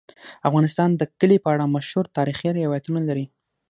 افغانستان د کلي په اړه مشهور تاریخی روایتونه لري.